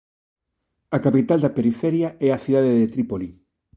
A capital da periferia é a cidade de Trípoli.